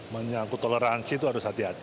menyangkut toleransi itu harus hati hati